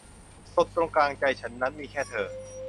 สุดตรงกลางใจฉันนั้นมีแค่เธอ